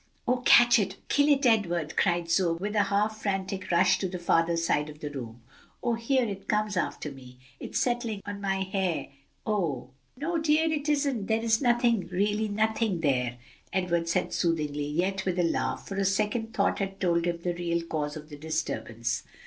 "Oh, catch it! kill it, Edward!" cried Zoe, with a half frantic rush to the farther side of the room. "Oh, here it comes after me! It's settling on my hair! Oh!" "No, dear, it isn't, there is really nothing there," Edward said soothingly, yet with a laugh, for a second thought had told him the real cause of the disturbance.